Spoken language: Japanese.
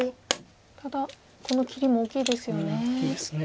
ただこの切りも大きいですよね。